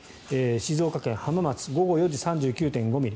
静岡県浜松午後４時、３９．５ミリ。